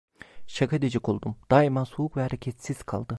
Şaka edecek oldum, daima soğuk ve hareketsiz kaldı.